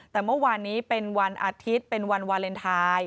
แต่เมื่อวานนี้เป็นวันอาทิตย์เป็นวันวาเลนไทย